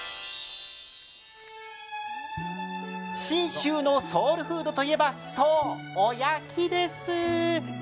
信州のソウルフードといえば、そう、おやきです。